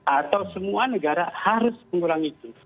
atau semua negara harus mengurangi itu